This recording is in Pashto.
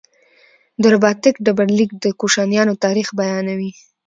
د رباتک ډبرلیک د کوشانیانو تاریخ بیانوي